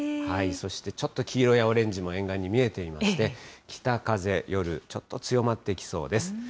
そして、ちょっと黄色やオレンジも沿岸に見えていまして、北風、夜、ちょっと強まってきそうです。